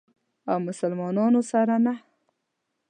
او مسلمانانو سره نه.